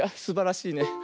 すばらしいね。